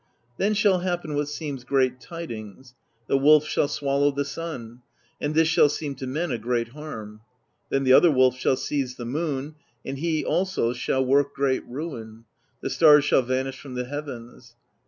Then shall happen what seems great tidings: the Wolf shall swallow the sun; and this shall seem to men a great harm. Then the other wolf shall seize the moon, and he also shall work great ruin ; the stars shall vanish from the heavens.